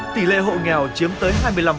tỷ lệ hộ nghèo chiếm tới hai mươi năm